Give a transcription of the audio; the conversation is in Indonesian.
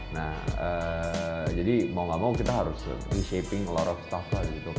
nah jadi mau gak mau kita harus reshaping a lot of stuff lah gitu